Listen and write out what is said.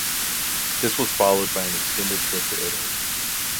This was followed by an extended trip to Italy.